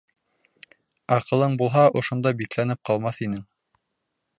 Аҡылың булһа, ошонда бикләнеп ҡалмаҫ инең!